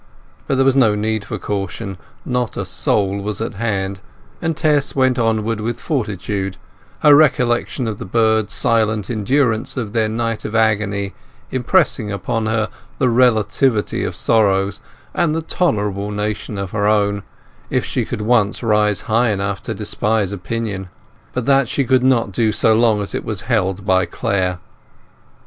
But there was no need for caution; not a soul was at hand, and Tess went onward with fortitude, her recollection of the birds' silent endurance of their night of agony impressing upon her the relativity of sorrows and the tolerable nature of her own, if she could once rise high enough to despise opinion. But that she could not do so long as it was held by Clare.